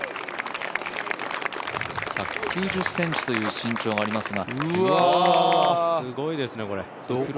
１９０ｃｍという身長がありますがすごいですね、これ。